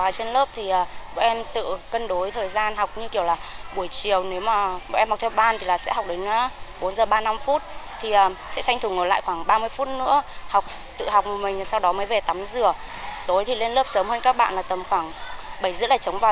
sau đó mới về tắm rửa tối thì lên lớp sớm hơn các bạn là tầm khoảng bảy h ba mươi là trống vào